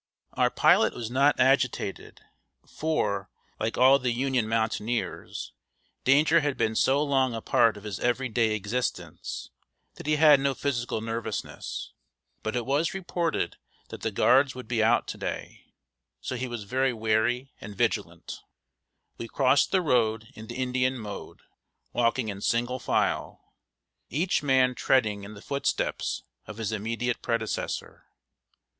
Our pilot was not agitated, for, like all the Union mountaineers, danger had been so long a part of his every day existence, that he had no physical nervousness. But it was reported that the Guards would be out to day, so he was very wary and vigilant. We crossed the road in the Indian mode, walking in single file, each man treading in the footsteps of his immediate predecessor.